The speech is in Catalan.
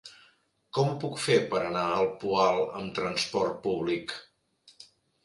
Com ho puc fer per anar al Poal amb trasport públic?